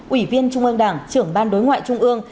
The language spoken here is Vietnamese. ủy viên trung ương đảng trưởng ban đối ngoại trung ương